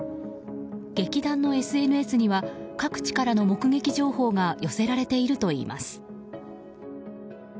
劇団のＳＮＳには各地からの目撃情報が寄せられているといいます。